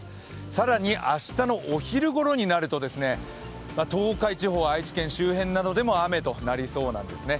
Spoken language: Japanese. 更に明日のお昼ごろになると東海地方、愛知県周辺などでも雨となりそうなんですね。